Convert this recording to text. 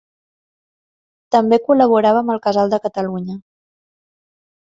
També col·laborava amb el Casal de Catalunya.